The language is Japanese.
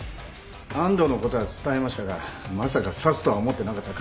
安藤のことは伝えましたがまさか刺すとは思ってなかった。